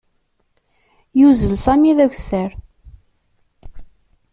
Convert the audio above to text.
Yuzzel Sami d akessar.